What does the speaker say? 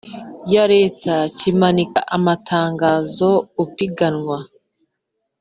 ya Leta kimanika amatangazo Upiganwa